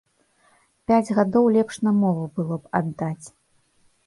Пяць гадоў лепш на мову было б аддаць.